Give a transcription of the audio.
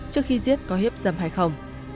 trước khi giết có hiếp dâm hay không